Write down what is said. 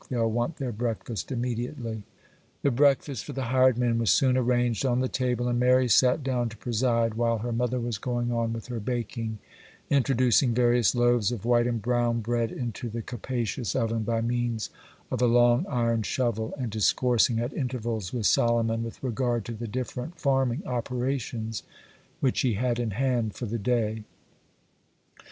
They'll want their breakfast immediately.' The breakfast for the hired men was soon arranged on the table, and Mary sat down to preside while her mother was going on with her baking, introducing various loaves of white and brown bread into the capacious oven by means of a long iron shovel, and discoursing at intervals with Solomon with regard to the different farming operations which he had in hand for the day.